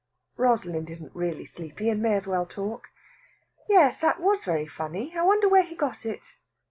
Rosalind isn't really sleepy, and may as well talk. "Yes, that was very funny. I wonder where he got it."